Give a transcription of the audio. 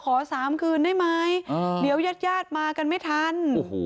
สามคืนได้ไหมเดี๋ยวยาดมากันไม่ทัน